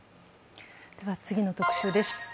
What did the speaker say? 次の特集です。